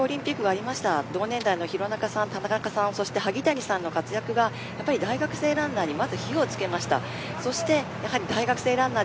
今年は東京オリンピックがありました、同年代の廣中さん、田中さん萩谷さんの活躍が大学生ランナーに火をつけました。